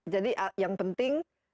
jadi yang penting